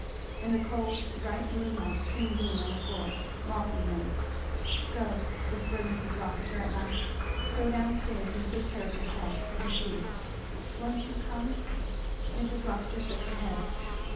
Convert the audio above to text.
And the cold bright moonlight streamed in on the floor, mocking them. "Go!" whispered Mrs. Rossitur at last, "go down stairs and take care of yourself and Hugh." "Won't you come?" Mrs. Rossitur shook her head.